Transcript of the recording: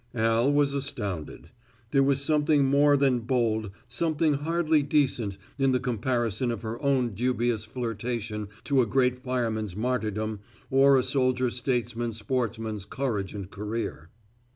Al was astounded. There was something more than bold, something hardly decent in the comparison of her own dubious flirtation to a great fireman's martyrdom or a soldier statesman sportsman's courage and career.